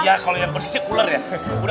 ya kalo yang bersisik ular ya